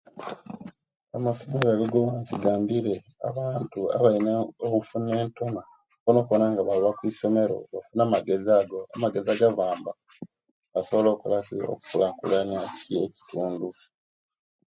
Amasomero ago agowansi gayambire abantu abalina enfuna entono bona okubona nga baba kwisomero nebafuna amagezi ago amagezi ago gabamba nebasobola okulankulana ekitundu